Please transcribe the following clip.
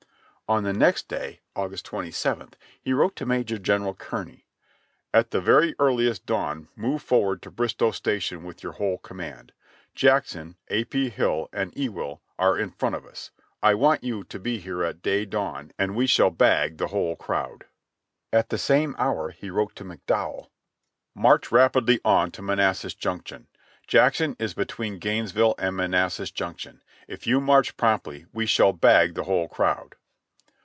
On the next day, August 27th, he wrote to Major General Kearny : "At the very earliest dawn move forward to Bristow Station with your whole command. Jackson, A. P. Hill and Ewell are in front of us. I want you to be here at day dawn and we shall bag the whole crowds At the same hour he wrote to McDowell: "March rapidly on 264 JOHNNY REB AND BILLY YANK to Manassas Junction. Jackson is between Gainesville and Man assas Junction. If you march promptly we shall bag the whole crowd."